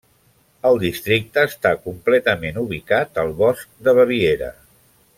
El districte està completament ubicat al Bosc de Baviera.